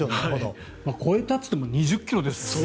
越えたといっても２０ｋｍですからね。